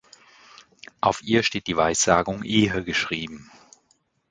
Auf ihr steht die Weissagung „Ehe“ geschrieben.